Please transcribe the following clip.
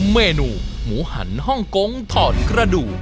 เมนูหมูหันฮ่องกงถอดกระดูก